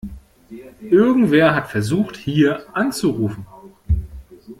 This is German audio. Irgendwer hat versucht, hier anzurufen.